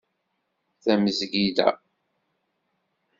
Tamezgida